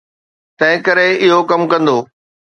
تنهنڪري اهو ڪم ڪندو.